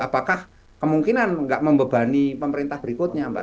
apakah kemungkinan nggak membebani pemerintah berikutnya mbak